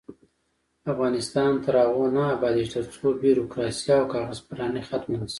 افغانستان تر هغو نه ابادیږي، ترڅو بیروکراسي او کاغذ پراني ختمه نشي.